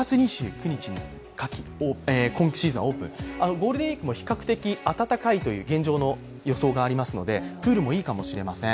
ゴールデンウイークも比較的暖かいという現状の予想がありますのでプールもいいかもしれません。